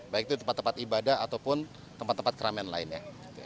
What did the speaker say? baik itu tempat tempat ibadah ataupun tempat tempat keramaian lainnya